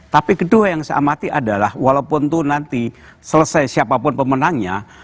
tapi kedua yang saya amati adalah walaupun itu nanti selesai siapapun pemenangnya